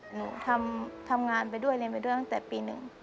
หนูทำงานไปด้วยเรียนไปด้วยตั้งแต่ปี๑